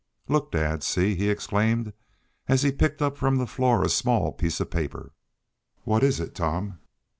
"Look, dad! See!" he exclaimed, as he picked up from the floor a small piece of paper. "What is it, Tom?"